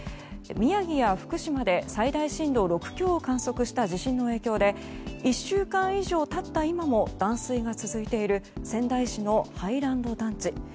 宮城や福島で最大震度６強を観測した地震の影響で１週間以上経った今も断水が続いている仙台市のハイランド団地。